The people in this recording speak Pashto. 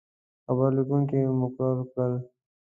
خبر لیکونکي مقرر کړل.